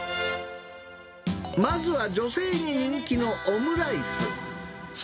まずは女性に人気のオムライス。